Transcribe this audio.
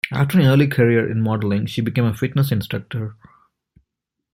After an early career in modeling, she became a fitness instructor.